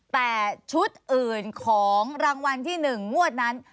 แต่ชุดอื่นของรางวัลที่๑งวดนั้น